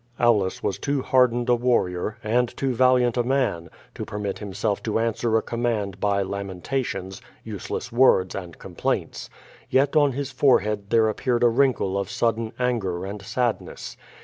Aulus was too hardened a warrior, and too valiant a man, to permit himself to answer a command by lamentations, use less words and complaints. Yet on his forehead there ap peared a wTinkle of sudden anger and sadness.